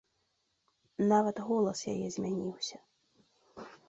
Нават голас яе змяніўся.